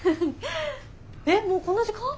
えっもうこんな時間？